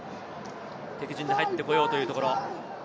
敵陣に入ってこようというところ。